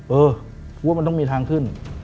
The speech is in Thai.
เออผมว่ามันต้องมีทางขึ้น